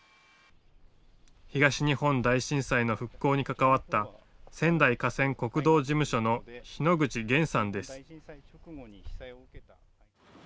東日本大震災の復興に関わった仙台河川国道事務所の日野口厳さんです。